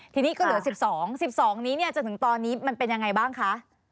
ทีนี้ก็เหลือ๑๒๑๒นี้จนถึงตอนนี้มันเป็นยังไงบ้างคะ